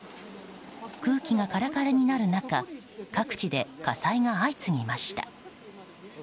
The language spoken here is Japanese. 空気がカラカラになる中各地で火災が相次ぎました。